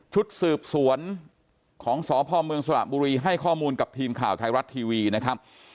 ชุดสืบสวนของสพเมืองสระบุรีให้ข้อมูลกับทีมข่าวไทยรัฐทีวีนะครับ